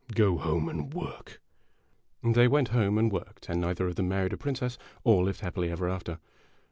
" Go home, and work !" They went home and worked, and neither of them married a princess or lived happily ever after.